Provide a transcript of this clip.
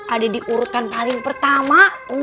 ada di urutan paling pertama